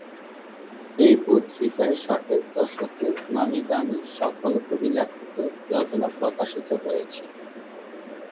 এ পত্রিকায় ষাটের দশকের নামী-দামী সকল কবি-লেখকের রচনা প্রকাশিত হয়েছে।